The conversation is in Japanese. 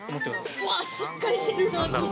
うわ、しっかりしてるな、生地。